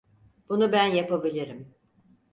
Bunu ben yapabilirim.